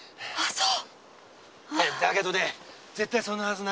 そう。